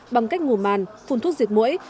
bằng cách ngủ màn phun thuốc diệt mũi